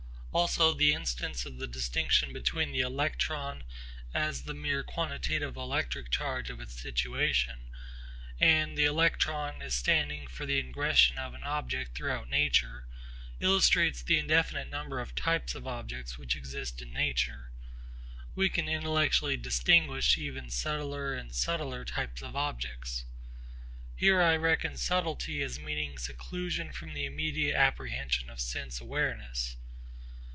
Also the instance of the distinction between the electron as the mere quantitative electric charge of its situation and the electron as standing for the ingression of an object throughout nature illustrates the indefinite number of types of objects which exist in nature. We can intellectually distinguish even subtler and subtler types of objects. Here I reckon subtlety as meaning seclusion from the immediate apprehension of sense awareness.